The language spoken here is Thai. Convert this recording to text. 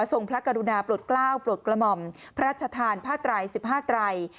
พระกรุณาปลดกล้าวปลดกระหม่อมพระราชทานผ้าไตร๑๕ไตร